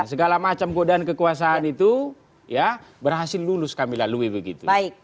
segala macam godaan kekuasaan itu ya berhasil lulus kami lalui begitu